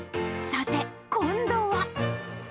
さて、今度は？